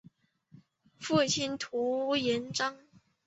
父亲涂秉彰。